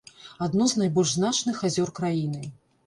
Адно з найбольш значных азёр краіны.